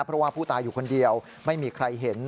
เพราะว่าผู้ตายอยู่คนเดียวไม่มีใครเห็น